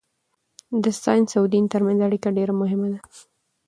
د ساینس او دین ترمنځ اړیکه ډېره مهمه ده.